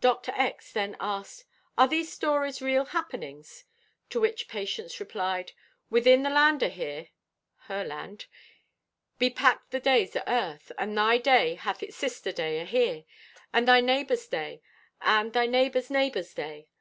Dr. X. then asked: "Are these stories real happenings?" To which Patience replied: "Within the land o' here [her land] be packed the days o' Earth, and thy day hath its sister day ahere, and thy neighbor's day and thy neighbor's neighbor's day.